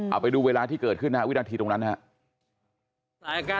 เอาไปดูเวลาที่เกิดขึ้นนะฮะวินาทีตรงนั้นนะครับ